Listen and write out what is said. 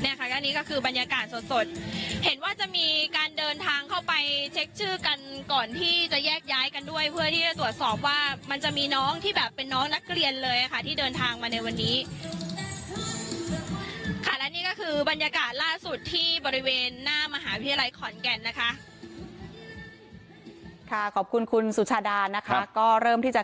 เนี้ยค่ะแล้วนี้ก็คือบรรยากาศสดสดเห็นว่าจะมีการเดินทางเข้าไปเช็คชื่อกันก่อนที่จะแยกย้ายกันด้วยเพื่อที่จะตรวจสอบว่ามันจะมีน้องที่แบบเป็นน้องนักเรียนเลยอ่ะค่ะที่เดินทางมาในวันนี้ค่ะแล้วนี้ก็คือบรรยากาศล่าสุดที่บริเวณหน้ามหาวิทยาลัยขอนแก่นนะคะค่ะขอบคุณคุณสุชาดานะคะก็เริ่มที่จะ